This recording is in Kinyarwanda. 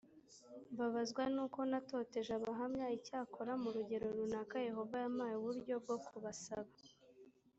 mbabazwa n uko natoteje abahamya icyakora mu rugero runaka yehova yampaye uburyo bwo kubasaba